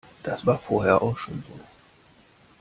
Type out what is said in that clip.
Das war vorher auch schon so.